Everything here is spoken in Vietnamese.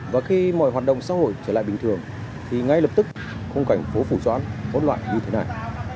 và khi mọi hoạt động xã hội trở lại bình thường thì ngay lập tức không cảnh phố phủ dõn gỗn loạn như thế này